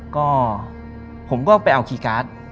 ก็ผมก็ไปเอาคีย์การ์ด